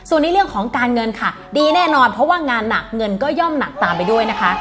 ส่วนในเรื่องของการเงินค่ะดีแน่นอนเพราะว่างานหนักเงินก็ย่อมหนักตามไปด้วยนะคะ